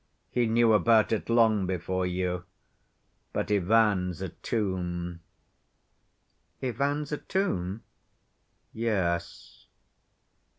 He knew about it long before you. But Ivan's a tomb." "Ivan's a tomb?" "Yes."